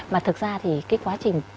mà thực ra thì cái quá trình